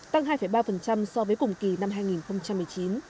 tăng hai ba so với cùng kỳ năm hai nghìn một mươi chín